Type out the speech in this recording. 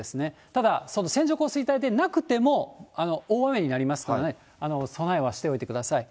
ただ、線状降水帯でなくても大雨になりますからね、備えはしておいてください。